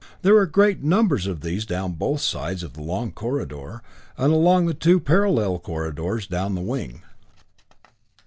There were great numbers of these down both sides of the long corridor, and along the two parallel corridors down the wing.